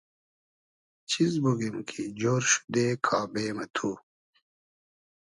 چیز بوگیم کی جۉر شودې کابې مہ تو